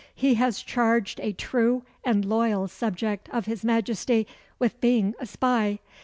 He has charged a true and loyal subject of his Majesty with being a spy.